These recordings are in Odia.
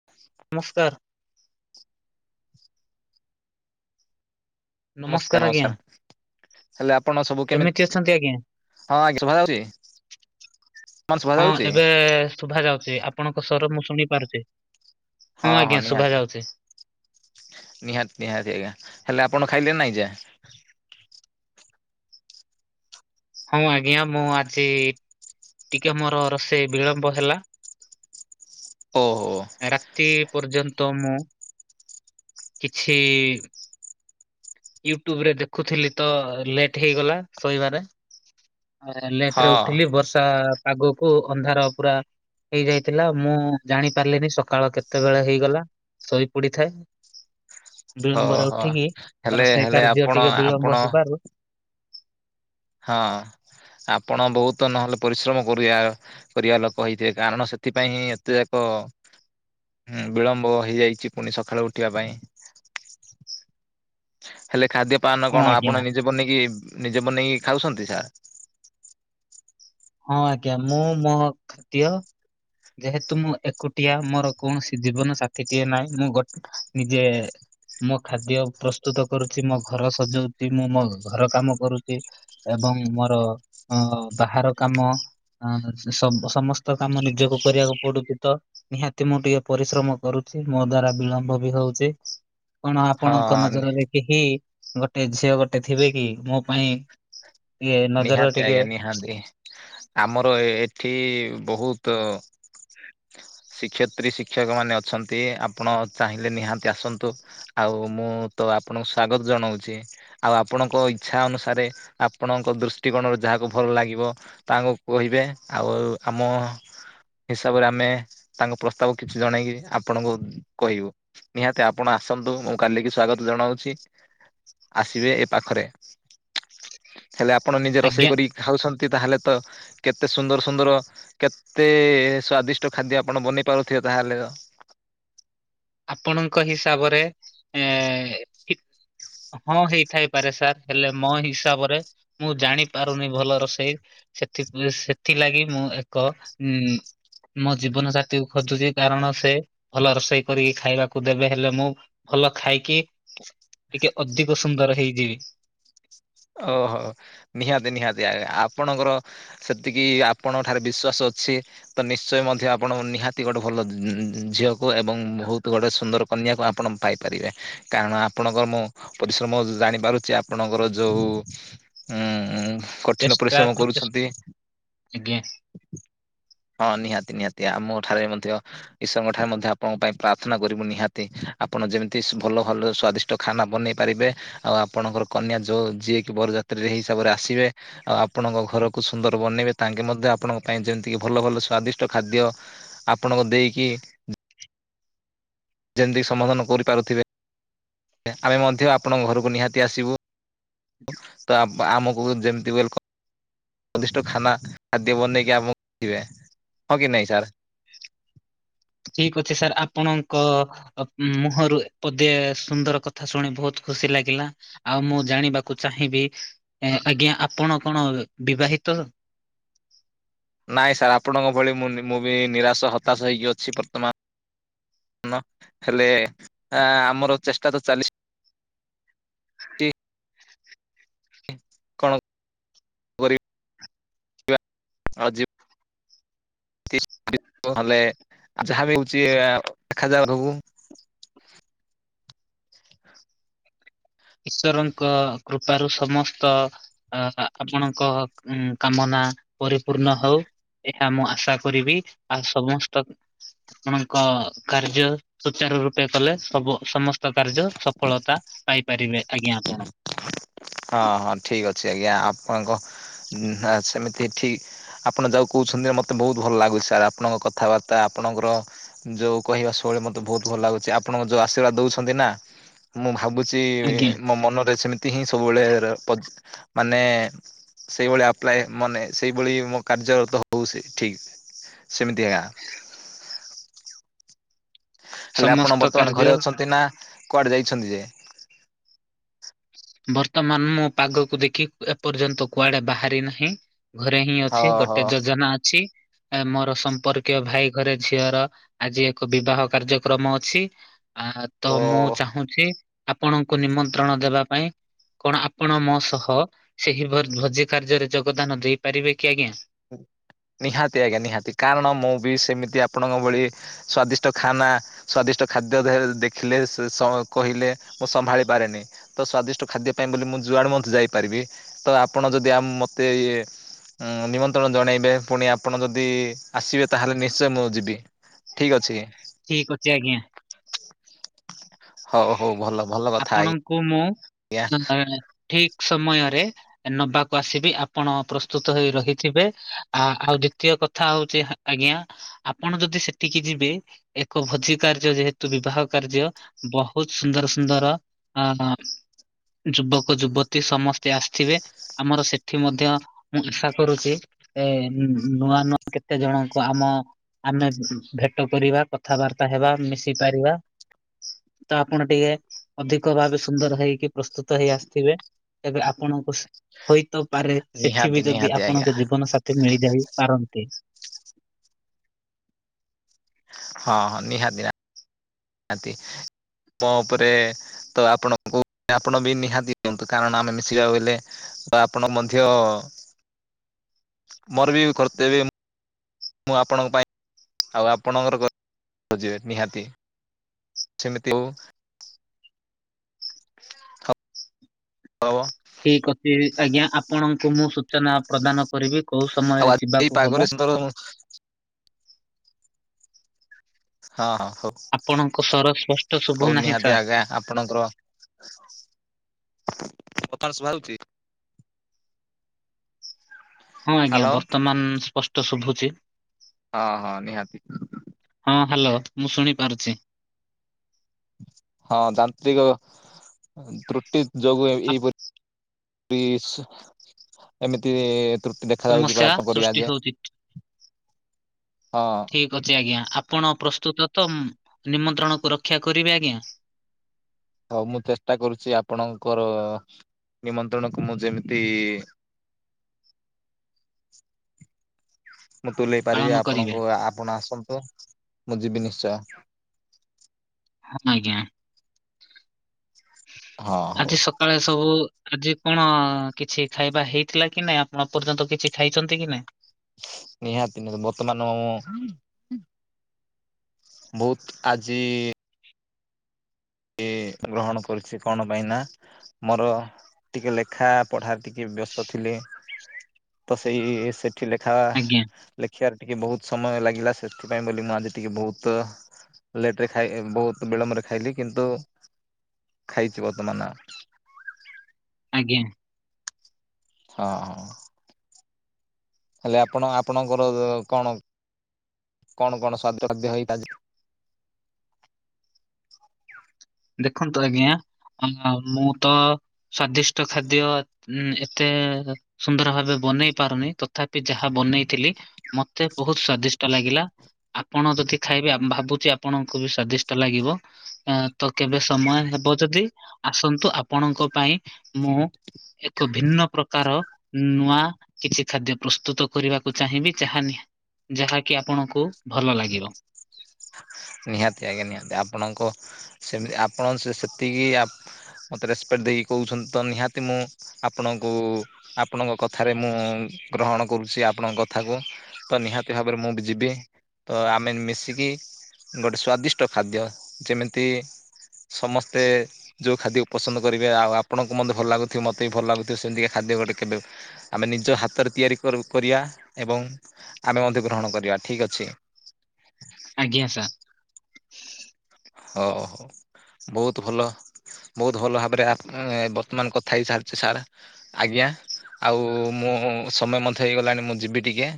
[inaudible] ନମସ୍କାର। ନମସ୍କାର ନମସ୍କାର। ହେଲେ ଆପଣ ସବୁ କେମିତି ଅଛନ୍ତି ଆଜ୍ଞା? ହଁ ଆଜ୍ଞା ଶୁଭାଯାଉଛି? ହଁ ଏବେ ଶୁଭା ଯାଉଛି ଆପଣଙ୍କ ସ୍ୱର ମୁଁ ଶୁଣି ପାରୁଛି। ହଁ ହଁ ଆଜ୍ଞା ଶୁଭା ନିହାତି ଯାଉଛି ନିହାତି ନିହାତି ଆଜ୍ଞା ହେଲେ ଆପଣ ଖାଇଲେ ନାଇଁ ଯେ? ହଁ ଆଜ୍ଞା ମୁଁ ଆଜି ଟିକେ ମୋର ରୋଷେଇ ବିଳମ୍ବ ହେଲା। ଓ ହୋ। ରାତି ପର୍ଯ୍ୟନ୍ତ ମୁଁ କିଛି ୟୁଟ୍ୟୁବରେ ଦେଖୁଥିଲି ତ ଲେଟ୍ ହେଇଗଲା ଶୋଇବାରେ। ଲେଟ୍ ହଁ ରେ ଉଠିଲି ବର୍ଷା ପାଗକୁ ଅନ୍ଧାର ପୁରା ହେଇଯାଇଥିଲା ମୁଁ ଜାଣି ପାରିଲିନି ସକାଳ କେତେବେଳେ ହେଇଗଲା। ଶୋଇ ପଡିଥାଏ ହୋ ବିଳମ୍ବରେ ହୋ ଉଠିକି ଆ ହେଲେ ରୋଷେଇ ହେଲେ କାର୍ଯ୍ୟ ଆପଣ ଟିକେ ଆପଣ ବିଳମ୍ବ ହେବାରୁ ହଁ ଆପଣ ବହୁତ ନହେଲେ ପରିଶ୍ରମ କରିଆ କରିବା ଲୋକ ହେଇଥିବେ କାରଣ ସେଥିପାଇଁ ହିଁ ଏତେ ଯାକ ହୁଁ ବିଳମ୍ବ ହେଇଯାଇଛି ପୁଣି ସକାଳୁ ଉଠିବା ପାଇଁ। ହେଲେ ଖାଦ୍ୟ ପାନ ହଁ କଣ ଆଜ୍ଞା ଆପଣ ନିଜେ ବନେଇକି ନିଜେ ବନେଇକି ଖାଉଛନ୍ତି ସାର୍? ହଁ ଆଜ୍ଞା ମୁଁ ମୋହ ଖାଦ୍ୟ ଯେହେତୁ ମୁଁ ଏକୁଟିଆ ମୋର କୌଣସି ଜୀବନ ସାଥିଟିଏ ନାହିଁ ମୁଁ ଗୋଟ ନିଜେ ମୋ ଖାଦ୍ୟ ପ୍ରସ୍ତୁତ କରୁଛି ମୋ ଘର ସଜଉଛି ମୁଁ ମୋ ଘ ଘର କାମ କରୁଛି। ଏବଂ ମୋର ଅ ବାହାର କାମ ଆଁ ସମ ସମସ୍ତ କାମ ନିଜକୁ କରିବାକୁ ପଡୁଛି ତ ନିହାତି ମୁଁ ଟିକେ ପରିଶ୍ରମ କରୁଛି ମୋ ଦ୍ଵାରା ବିଳମ୍ବ ବି ହଉଛି। କଣ ହଁ ଆପଣଙ୍କ ନଜରରେ କେହି ଗୋଟେ ଝିଅ ଗୋଟେ ଥିବେ କି ମୋ ପାଇଁ ଟିକେ ନଜର ନିହାତି ଟିକେ ଆଜ୍ଞା ନିହାତି ଆମର ଏଠି ବହୁତ ଶିକ୍ଷୟତ୍ରୀ ଶିକ୍ଷକମାନେ ଅଛନ୍ତି ଆପଣ ଚାହିଁଲେ ନିହାତି ଆସନ୍ତୁ। ଆଉ ମୁଁ ତ ଆପଣଙ୍କୁ ସ୍ଵାଗତ ଜଣାଉଛି। ଆଉ ଆପଣଙ୍କ ଇଚ୍ଛା ଅନୁସାରେ ଆପଣଙ୍କ ଦୃଷ୍ଟିକୋଣରେ ଯାହାକୁ ଭଲ ଲାଗିବ ତାଙ୍କୁ କହିବେ ଆଉ ଆମ ହିସାବରେ ଆମେ ତାଙ୍କ ପ୍ରସ୍ତାବ କିଛି ଜଣେଇକି ଆପଣଙ୍କୁ କହିବୁ। ନିହାତି ଆପଣ ଆସନ୍ତୁ ମୁଁ କାଲିକି ସ୍ଵାଗତ ଜଣାଉଛି ଆସିବେ ଏ ପାଖରେ ହେଲେ ଆପଣ ନିଜେ ଆଜ୍ଞା ରୋଷେଇ କରିକି ଖାଉଛନ୍ତି ତାହେଲେ ତ କେତେ ସୁନ୍ଦର ସୁନ୍ଦର କେତେ ସ୍ଵାଦିଷ୍ଟ ଖାଦ୍ୟ ଆପଣ ବନେଇ ପାରୁଥିବେ ତାହେଲେ ତ ଆପଣଙ୍କ ହିସାବରେ ଏ ହଁ ହେଇଥାଇପାରେ ସାର୍ ହେଲେ, ମୋ ହିସାବରେ ମୁଁ ଜାଣିପାରୁନି ଭଲ ରୋଷେଇ। ସେଥି ସେଥିଲାଗି ମୁଁ ଏକ ଉଁ ମୋ ଜୀବନ ସାଥିକୁ ଖୋଜୁଛି କାରଣ ସେ ଭଲ ରୋଷେଇ କରିକି ଖାଇବାକୁ ଦେବେ ହେଲେ, ମୁଁ ଭଲ ଖାଇକି ଟିକେ ଅଧିକ ସୁନ୍ଦର ହେଇଯିବି। ଓହୋ ନିହାତି ନିହାତି ଆଜ୍ଞା ଆପଣଙ୍କର ସେତିକି ଆପଣଙ୍କ ଠାରେ ବିଶ୍ୱାସ ଅଛି। ତ ନିଶ୍ଚୟ ମଧ୍ୟ ଆପଣ ନିହାତି ଗୋଟେ, ଭଲ ଉଁ ଝିଅକୁ ଏବଂ ବହୁତ ଗୋଟେ ସୁନ୍ଦର କନ୍ୟାକୁ ଆପଣ ପାଇପାରିବେ, କାରଣ ଆପଣଙ୍କର ମୁଁ ପରିଶ୍ରମ ଜାଣିପାରୁଛି ଆପଣଙ୍କର ଯୋଉ ଉଁ କଠିନ ଚେଷ୍ଟା ପରିଶ୍ରମ ପ୍ରଚେଷ୍ଟା କରୁଛନ୍ତି। ଆଜ୍ଞା ହଁ ନିହାତି ନିହାତି ଆଉ ମୋ ଠାରେ ମଧ୍ୟ ଈଶ୍ୱରଙ୍କ ଠାରେ ମଧ୍ୟ ଆପଣଙ୍କ ପାଇଁ ପ୍ରାର୍ଥନା କରିବୁ ନିହାତି, ଆପଣ ଯେମିତି ଭଲ ଭଲ ସ୍ଵାଦିଷ୍ଟ ଖାନା ବନେଇ ପାରିବେ, ଆଉ ଆପଣଙ୍କର କନ୍ୟା ଯୋଉଁ ଯିଏ କି ବରଯାତ୍ରୀରେ ଏହି ହିସାବରେ ଆସିବେ ଆଉ ଆପଣଙ୍କ ଘରକୁ ସୁନ୍ଦର ବନେଇବେ, ତାଙ୍କେ ମଧ୍ୟ ଆପଣଙ୍କ ପାଇଁ ଯେମିତିକି ଭଲ ଭଲ ସ୍ଵାଦିଷ୍ଟ ଖାଦ୍ୟ ଆପଣଙ୍କୁ ଦେଇକି। ଯେମିତିକ ସମାଧାନ କରିପାରୁଥିବେ, ଆମେ ମଧ୍ୟ ଆପଣଙ୍କ ଘରକୁ ନିହାତି ଆସିବୁ। ତ ଆମକୁ ଯେମିତି ୱେଲକମ୍ ସ୍ୱାଦିଷ୍ଟ ଖାନା ଖାଦ୍ୟ ବନେଇକି ଆମକୁ ଦେବେ, ହଁ କି ନାହିଁ ସାର୍? ଠିକ୍ ଅଛି ସାର୍ ଆପଣଙ୍କ ମୁହଁରୁ ପଦେ ସୁନ୍ଦର କଥା ଶୁଣି ବହୁତ ଖୁସି ଲାଗିଲା। ଆଉ ମୁଁ ଜାଣିବାକୁ ଚାହିଁବି ଆଜ୍ଞା, ଆପଣ କଣ ବିବାହିତ? ନାଇଁ ସାର୍ ଆପଣଙ୍କ ଭଳି ମୁଁ ମୁଁ ବି ନିରାଶ, ହତାଶ ହେଇକି ଅଛି ବର୍ତ୍ତମାନ। ନ, ହେଲେ ଏଁ ଆମର ଚେଷ୍ଟା ତ ଚାଲିଛି। କଣ ଗରିବ? ଆଜି ହେଲେ ଆ ଯାହା ବି ହଉଛି ଦେଖାଯା ହବୁ [inaudible] ଈଶ୍ୱରଙ୍କ କୃପାରୁ ସମସ୍ତ ଅ ଆପଣଙ୍କ କାମନା ପରିପୂର୍ଣ ହଉ। ଏହା ମୁଁ ଆଶା କରିବି ଆଉ ସମସ୍ତ ଆପଣଙ୍କ କାର୍ଯ୍ୟ ସୁଚାର ରୂପେ କଲେ ସବୁ ସମସ୍ତ ତ କାର୍ଯ୍ୟ ସଫଳତା ପାଇପାରିବେ ଆଜ୍ଞା ଆପଣ ହଁ ହଁ ଠିକ ଅଛି ଆଜ୍ଞା, ଆପଣଙ୍କ ସେମିତି ଏଠି ଆପଣ ଯାହା କହୁଛନ୍ତି ମତେ ବହୁତ ଭଲ ଲାଗୁଛି ସାର୍, ଆପଣଙ୍କ କଥାବାର୍ତ୍ତା ଆପଣଙ୍କର ଯୋଉ କହିବା ଶୈଳି ମତେ ବହୁତ ଭଲ ଲାଗୁଛି ଆପଣଙ୍କ ଯୋଉ ଆଶୀର୍ବାଦ ଦଉଛନ୍ତି ନା, ମୁଁ ଭାବୁଛି ଅଛି ଆଜ୍ଞା। ମୋ ମନରେ ସେମିତି ହିଁ ସବୁବେଳେ ମାନେ ସେଇଭଳି ଆପ୍ଲାଏ ମନେ ସେଇଭଳି ମୋ କାର୍ଯ୍ୟରତ ହଉ ସେ ଠିକ୍ ସେମିତି ଆ ହେଲେ ଆପଣ ସମସ୍ତ ବର୍ତ୍ତମାନ କାର୍ଯ୍ୟ ଘରେ ଅଛନ୍ତି ନା କୁଆଡେ ଯାଇଛନ୍ତି ଯେ? ବର୍ତ୍ତମାନ ମୁଁ ପାଗକୁ ଦେଖି ଏପର୍ଯ୍ୟନ୍ତ କୁଆଡେ ବାହାରି ନାହିଁ। ଘରେ ହିଁ ଅଛି, ଓହୋ ଗୋଟେ ଯୋଜନା ଅଛି। ଜଣେ ମୋର ସମ୍ପର୍କୀୟ ଭାଇ ଘରେ ଝିଅର ଆଜି ଏକ ବିବାହ କାର୍ଯ୍ୟକ୍ରମ ଅଛି। ଆ ତ ଓ ମୁଁ ଚାହୁଁଛି, ଆପଣଙ୍କୁ ନିମନ୍ତ୍ରଣ ଦେବା ପାଇଁ କଣ ଆପଣ ମୋ ସହ ସେହି ଘର ଭୋଜି କାର୍ଯ୍ୟରେ ଯୋଗଦାନ ଦେଇପାରିବେ କି ଆଜ୍ଞା? ନିହାତି ଆଜ୍ଞା ନିହାତି, କାରଣ ମୁଁ ବି ସେମିତି ଆପଣଙ୍କ ଭଳି ସ୍ଵାଦିଷ୍ଟ ଖାନା ସ୍ଵାଦିଷ୍ଟ ଖାଦ୍ୟ ଦେଖିଲେ, ସେ କହିଲେ ମୁଁ ସମ୍ଭାଳି ପାରେନି। ତ ସ୍ଵାଦିଷ୍ଟ ଖାଦ୍ୟ ପାଇଁ ବୋଲି ମୁଁ ଜୁଆଡ଼ୁ ମଧ୍ୟ ଯାଇପାରିବି, ତ ଆପଣ ଯଦି ଆମ ମୋତେ ଇଏ ହଁ ନିମନ୍ତ ନିମନ୍ତ୍ରଣ ଜଣେଇବେ ପୁଣି ଆପଣ ଯଦି ଆସିବେ ତାହେଲେ ନିଶ୍ଚୟ ମୁଁ ଯିବି ଠିକ୍ ଅଛି। ଠିକ୍ ଅଛି ଆଜ୍ଞା। ହଉ, ହଉ ଭଲ, ଭଲ କଥା ଆ କୁ ମୁଁ ଠିକ ସମୟରେ ନବାକୁ ଆସିବି ଆପଣ ପ୍ରସ୍ତୁତ ହେଇ ରହିଥିବେ। ଆ ଆଉ ଯେତିକ କଥା ହଉଛି ଆଜ୍ଞା ଆପଣ ଯଦି ସେଠିକି ଯିବେ ଏକ ଭୋଜି କାର୍ଯ୍ୟ ଯେହେତୁ ବିବାହ କାର୍ଯ୍ୟ ବହୁତ ସୁନ୍ଦର, ସୁନ୍ଦର ଯୁବକ, ଯୁବତୀ ସମସ୍ତେ ଆସିଥିବେ। ଆମର ସେଠି ମଧ୍ୟ ମୁଁ ଆଶା କରୁଛି ଏବେ ନୂଆ ନୂଆ କେତେ ଜଣଙ୍କୁ ଆମ ଆମେ ଭେଟ କରିବା, କଥାବାର୍ତ୍ତା ହେବା, ମିଶି ପାରିବା। ତ ଆପଣ ଟିକେ ଅଧିକ ଭାବେ ସୁନ୍ଦର ହେଇକି ପ୍ରସ୍ତୁତ ହେଇ ଆସିଥିବେ। ଏବେ ଆପଣଙ୍କୁ ହୋଇତ ପାରେ ସେଠି ନିହାତି ବି ଯଦି ନିହାତି ଆଜ୍ଞା ଆପଣଙ୍କୁ ଜୀବନ ସାଥି ମିଳିଯାଇ ପାରନ୍ତି। ହଁ, ହଁ ନିହାତିି ନି ହାତି। ମୋ ଉପରେ ତ ଆପଣଙ୍କୁ ଆପଣ ବି ନିହାତି ଦିଅନ୍ତୁ କାରଣ ଆମେ ମିଶିବାକୁ ଗଲେ ତ ଆପଣ ମଧ୍ୟ ମୋର ବି କରିଦେବେ ମୁଁ ଆପଣଙ୍କ ପାଇଁ ଆଉ ଆପଣଙ୍କର ଖୋଜିବେ ନିହାତି। ସେମିତି ହଉ। ହ ହବ ଠିକ ଅଛି ଆଜ୍ଞା ଆପଣଙ୍କୁ ମୁଁ ସୂଚନା ପ୍ରଦାନ କରିବି କୋଉ ଆଉ ସମୟରେ ଆଜି ଏଇ ଯିବାକୁ ହବ। [unintelligible] ହଁ, ହଁ ହଉ, ଆପଣଙ୍କ ସ୍ୱର ସ୍ପଷ୍ଟ ଶୁଭୁ ହଉ ନାହିଁ ନିହାତି ସାର୍। ଆଜ୍ଞା ଆପଣଙ୍କର କଥାରା ଶୁଭାଯାଉଛି? ହଁ, ଆଜ୍ଞା ହ୍ୟାଲୋ ବର୍ତ୍ତମାନ ସ୍ପଷ୍ଟ ଶୁଭୁଛି। ହଁ, ହଁ ନିହାତି। ହଁ, ହ୍ୟାଲୋ ମୁଁ ଶୁଣିପାରୁଛି। ହଁ, ଯାନ୍ତ୍ରିକ ତ୍ରୁଟି ଯୋଗୁ ଏହିପରି ଏମିତି ତୃପ୍ତି ଦେଖା ଯାଉଛି ସମସ୍ୟା ପରା କଣ କରିବା ସୃଷ୍ଟି ଯେ ହଉଛି ହଁ, ଠିକ ଆଜ୍ଞା ଆପଣ ପ୍ରସ୍ତୁତ ତ ନିମନ୍ତ୍ରଣକୁ ରକ୍ଷା କରିବେ ଆଜ୍ଞା! ହଉ ମୁଁ ଚେଷ୍ଟା କରୁଛି ଆପଣଙ୍କର ନିମନ୍ତ୍ରଣକୁ ମୁଁ ଯେମିତି ମୁଁ ତୁଲେଇ ପାରିବି ପାଳନ କରିବେ ଆପଣଙ୍କୁ, ଆପଣ ଆସନ୍ତୁ ମୁଁ ଯିବି ନିଶ୍ଚୟ। ଆଜ୍ଞା ହଁ ହଉ। ଆଜି କାଳେ ସବୁ ଆଜି କଣ କିଛି ଖାଇବା ହେଇଥିଲା କି ନାଇଁ? ଆପଣ ପର୍ଯ୍ୟନ୍ତ କିଛି ଖାଇଛନ୍ତି କି ନାଇଁ? ନିହାତି ବର୍ତ୍ତମାନ ମୁଁ ବହୁତ ଆଜି କି ଗ୍ରହଣ କରୁଛି କଣ ପାଇଁ ନା? ମୋର ଟିକେ ଲେଖା ପଢ଼ା ଟିକେ ବ୍ୟସ୍ତ ଥିଲି। ତ ସେଇ ସେଠି ଲେଖା ଆଜ୍ଞା ଲେଖିବାର ଟିକେ ବହୁତ ସମୟ ଲାଗିଲା ସେଥିପାଇଁ ବୋଲି ମୁଁ ଆଜି ଟିକେ ବହୁତ ଲେଟରେ ଖାଇଲି ବହୁତ ବିଳମ୍ବରେ ଖାଇଲି କିନ୍ତୁ ଖାଇଛି ବର୍ତ୍ତମାନ। ଆଜ୍ଞା ହଁ, ହେଲେ ଆପଣ ଆପଣଙ୍କର କଣ କଣ କଣ ସ୍ଵାଦ୍ୟ ଖାଦ୍ୟ ହେଇ ଦେଖନ୍ତୁ ଆଜ୍ଞା ମୁଁ ତ ସ୍ଵାଦିଷ୍ଟ ଖାଦ୍ୟ ଏତେ ସୁନ୍ଦର ଭାବେ ବନେଇ ପାରୁନି ତଥାପି ଯାହା ବନେଇଥିଲି ମତେ ବହୁତ ସ୍ଵାଦିଷ୍ଟ ଲାଗିଲା ଆପଣ ଯଦି ଖାଇବେ ଭାବୁଛି ଆପଣଙ୍କୁ ବି ସ୍ଵାଦିଷ୍ଟ ଲାଗିବ ତ କେବେ ସମୟ ହେବ ଯଦି ଆସନ୍ତୁ ଆପଣଙ୍କ ପାଇଁ ମୁଁ ଏକ ଭିନ୍ନ ପ୍ରକାର ନୂଆ କିଛି ଖାଦ୍ୟ ପ୍ରସ୍ତୁତ କରିବାକୁ ଚାହିଁବି ଯାହାନି ଯାହାକି ଆପଣଙ୍କୁ ଭଲ ଲାଗିବ ନିହାତି ଆଜ୍ଞା ନିହାତି ଆପଣଙ୍କ ସେମିତି ଆପଣ ସେତିକି ମତେ ରେସପେକ୍ଟ ଦେଇକି କହୁଛନ୍ତି ତ ନିହାତି ମୁଁ ଆପଣଙ୍କୁ ଆପଣଙ୍କ କଥାରେ ମୁଁ ଗ୍ରହଣ କରୁଛି ଆପଣଙ୍କ କଥାକୁ ତ ନିହାତି ଭାବରେ ମୁଁ ବି ଯିବି ତ ଆମେ ମିଶିକି ଗୋଟେ ସ୍ଵାଦିଷ୍ଟ ଖାଦ୍ୟ ଯେମିତି ସମସ୍ତେ ଯୋଉ ଖାଦ୍ୟ ପସନ୍ଦ କରିବେ ଆଉ ଆପଣଙ୍କୁ ମତେ ଭଲ ଲାଗୁଥିବ ମତେ ବି ଭଲ ଲାଗୁଥିବ ସେମିତିକା ଖାଦ ଗୋଟେ କେବେ। ଆମେ ନିଜ ହାତରେ ତିଆରି କରିଆ ଏବଂ ଆମେ ମଧ୍ୟଗ୍ରହଣ କରିବା ଠିକ୍ ଅଛି। ଆଜ୍ଞା ସାର୍। ହଉ ବହୁତ ଭଲ। ବହୁତ ଭଲ ଭାବରେ ବର୍ତ୍ତମାନ କଥା ହେଇସାରିଛି ସାର୍। ଆଜ୍ଞା ଆଉ ମୁଁ ସମୟ ମଧ୍ୟ ହେଇଗଲାଣି ମୁଁ ଯିବି ଟିକେ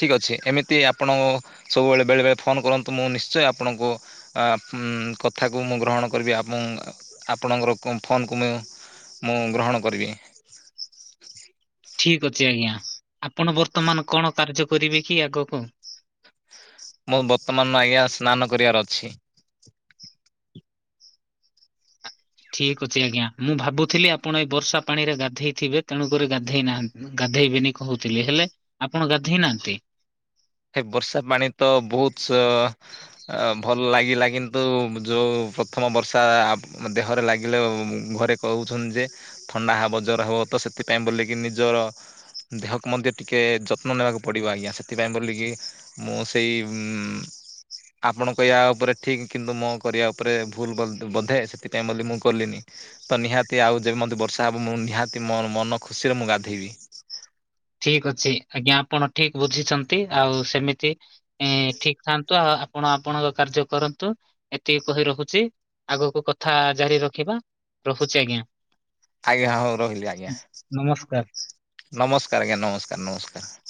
ଠିକ୍ ଅଛି ଏମିତି ଆପଣ ସବୁବେଳେ ବେଳେବେଳେ ଫୋନ୍ କରନ୍ତୁ ମୁଁ ନିଶ୍ଚୟ ଆପଣଙ୍କୁ କଥାକୁ ମୁଁ ଗ୍ରହଣ କରିବି ଆ ଆପଣଙ୍କର ଫୋନକୁ ମୁଁ ମୁଁ ଗ୍ରହଣ କରିବି ଠିକ ଅଛି ଆଜ୍ଞା ଆପଣ ବର୍ତ୍ତମାନ କଣ କାର୍ଯ୍ୟ କରିବେ କି ଆଗକୁ ମୁଁ ବର୍ତ୍ତମାନ ଆଜ୍ଞା ସ୍ନାନ କରିବାର ଅଛି ଠିକ୍ ଅଛି ଆଜ୍ଞା ମୁଁ ଭାବୁଥିଲି ଆପଣ ଏଇ ବର୍ଷା ପାଣି ରେ ଗାଧେଇଥିବେ ତେଣୁକରି ଗାଧେଇ ନାହାନ୍ତି। ଗାଧେଇବେନି କହୁଥିଲେ ହେଲେ ଆପଣ ଗାଧେଇ ନାହାନ୍ତି। ସେ ବର୍ଷା ପାଣି ତ ବହୁତ ଭଲ ଲାଗିଲା କିନ୍ତୁ ଯୋଉ ପ୍ରଥମ ବର୍ଷା ଦେହରେ ଲାଗିଲେ ଘରେ କହୁଛନ୍ତି ଯେ ଥଣ୍ଡା ହ ବଜର ହବ ତ ସେଥିପାଇଁ ବୋଲିକି ନିଜର ଦେହକୁ ମଧ୍ୟ ଟିକେ ଯତ୍ନ ନେବାକୁ ପଡିବ ଆଜ୍ଞା ସେଥିପାଇଁ ବୋଲି ମୁଁ ସେଇ ଆପଣ କହିବା ଉପରେ ଠିକ କିନ୍ତୁ ମୋ କରିବା ଉପରେ ଭୁଲ ବଧେ ସେଥିପାଇଁ ବୋଲି ମୁଁ କଲିନି ତ ନିହାତି ଆଉ ଯେମିତି ବର୍ଷା ହେବ ମୁଁ ନିହାତି ମନ ଖୁସିରେ ମୁଁ ଗାଧୋଇବି। ଠିକ୍ ଅଛି ଆଜ୍ଞା ଆପଣ ଠିକ୍ ବୁଝିଛନ୍ତି ଆଉ ସେମିତି ଠିକ୍ ଥାଆନ୍ତୁ ଆଉ ଆପଣ ଆପଣଙ୍କ କାର୍ଯ୍ୟ କରନ୍ତୁ ଏତିକି କହି ରଖୁଛି ଆଗକୁ କଥା ଜାରି ରଖିବା। ରହୁଛି ଆଜ୍ଞ। ଆଜ୍ଞା ହଁ ହଉ ରହିଲି ଆଜ୍ଞା ନମସ୍କାର। ନମସ୍କାର ଆଜ୍ଞା ନମସ୍କାର ନମସ୍କାର।